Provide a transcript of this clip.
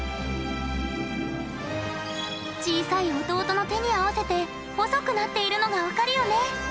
小さい弟の手に合わせて細くなっているのが分かるよね。